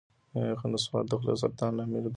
نصوار د خولې سرطان لامل ګرځي.